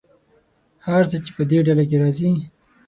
هر څه چې په دې ډله کې راځي.